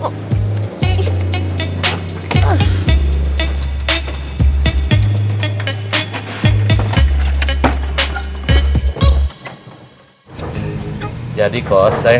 nanti masukin kopernya